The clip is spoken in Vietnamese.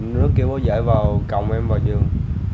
nó kêu bố dạy vào cộng em vào giường